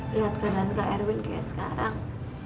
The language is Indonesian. lihat kak dan kak erwin kayak sekarang